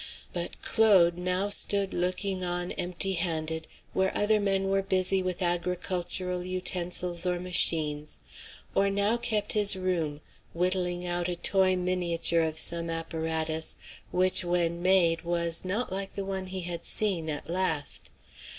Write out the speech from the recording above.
But Claude now stood looking on empty handed where other men were busy with agricultural utensils or machines; or now kept his room, whittling out a toy miniature of some apparatus, which when made was not like the one he had seen, at last.